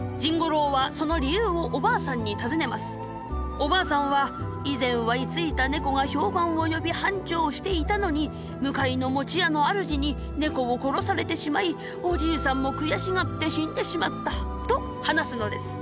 お婆さんは「以前はいついた猫が評判を呼び繁盛していたのに向かいの屋の主に猫を殺されてしまいお爺さんも悔しがって死んでしまった」と話すのです。